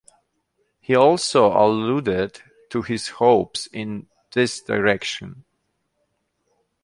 He also alluded to his hopes in this direction.